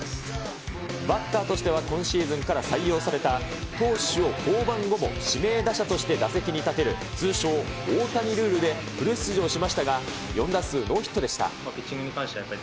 バッターとしては今シーズンから採用された、投手を降板後も指名打者として打席に立てる、通称、大谷ルールでフル出場しましたが、４打数ノーヒットでした。